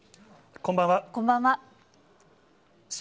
こんばんは。